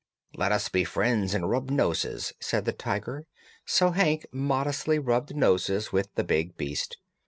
"Let us be friends and rub noses," said the Tiger. So Hank modestly rubbed noses with the big beast.